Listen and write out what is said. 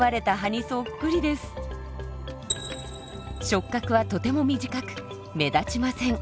触角はとても短く目立ちません。